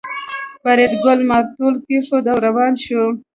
فریدګل مارتول کېښود او روان شو